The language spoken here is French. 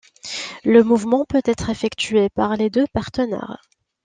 Le mouvement peut être effectué par les deux partenaires.